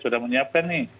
sudah menyiapkan nih